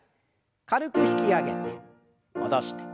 軽く引き上げて戻して。